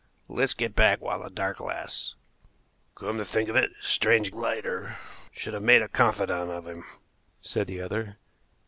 Let's get back while the dark lasts." "Come to think of it, it's strange Glider should have made a confidant of him," said the other.